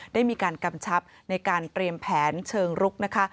ได้มีการกำชับในการเตรียมแผนเชิงรุกนะคะ